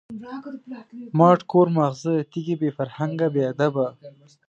ماټ کور ماغزه د تیږی، بی فرهنگه بی ادبه